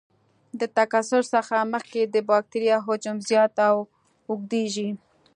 د تکثر څخه مخکې د بکټریا حجم زیات او اوږدیږي.